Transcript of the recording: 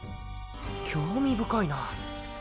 興味深いな。